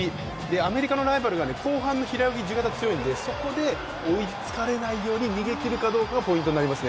アメリカのライバルは後半の平泳ぎ、自由形が強いので、そこで追いつかれないように逃げ切るかどうかがポイントです。